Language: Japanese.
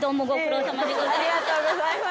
ありがとうございます。